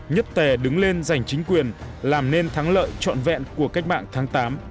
nhất tề đứng lên giành chính quyền làm nên thắng lợi trọn vẹn của cách mạng tháng tám